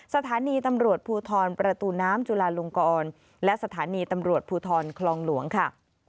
สถานีตำรวจภูทรประตูน้ำจุลาลงกรและสถานีตำรวจภูทรคลองหลวงค่ะ